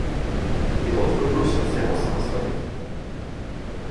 Пілот выбраўся з яго самастойна.